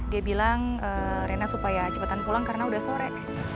dia bilang reina supaya cepetan pulang karena udah sore